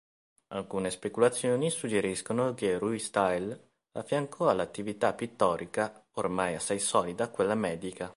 Alcune speculazioni suggeriscono che Ruisdael affiancò all'attività pittorica, ormai assai solida, quella medica.